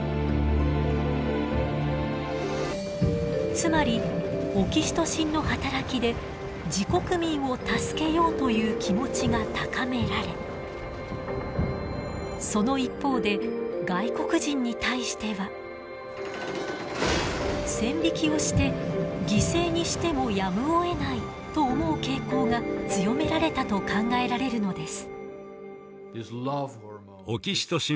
つまりオキシトシンの働きで自国民を助けようという気持ちが高められその一方で外国人に対しては線引きをして犠牲にしてもやむをえないと思う傾向が強められたと考えられるのです。